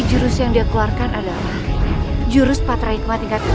jurus yang dia keluarkan adalah jurus patrihikmat tingkat ke tujuh